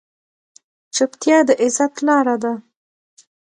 چپتیا، د عزت لاره ده.